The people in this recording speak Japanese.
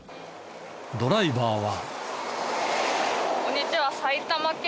ドライバーは。